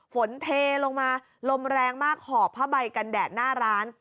เทลงมาลมแรงมากหอบผ้าใบกันแดดหน้าร้าน